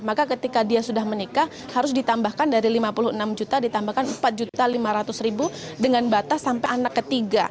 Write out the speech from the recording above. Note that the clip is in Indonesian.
maka ketika dia sudah menikah harus ditambahkan dari lima puluh enam juta ditambahkan rp empat lima ratus dengan batas sampai anak ketiga